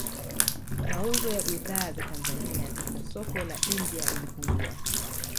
Mauzo ya bidhaa za Tanzania katika soko la India yalipungua